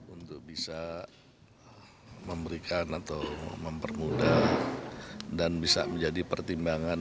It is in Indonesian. untuk bisa memberikan atau mempermudah dan bisa menjadi pertimbangan